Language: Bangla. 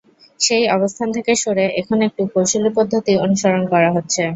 সেই অবস্থান থেকে সরে এখন একটু কৌশলী পদ্ধতি অনুসরণ করা হচ্ছে।